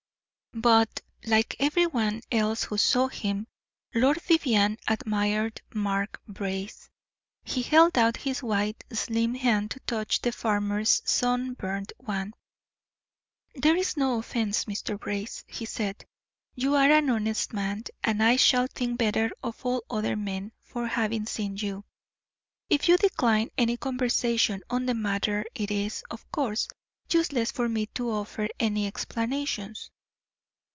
But, like every one else who saw him, Lord Vivianne admired Mark Brace. He held out his white, slim hand to touch the farmer's sunburnt one. "There is no offense, Mr. Brace," he said. "You are an honest man, and I shall think better of all other men for having seen you. If you decline any conversation on the matter, it is, of course, useless for me to offer any explanations."